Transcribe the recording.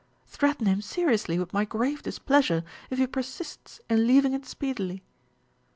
Threaten him seriously with my grave displeasure if he persists in leaving it speedily."